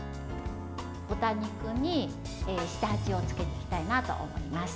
豚肉に下味をつけていきたいと思います。